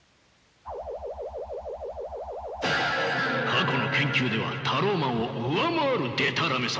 過去の研究ではタローマンを上回るでたらめさ。